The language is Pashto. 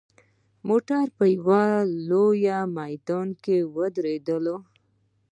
موټر په یوه لوی میدان کې ودرېدل.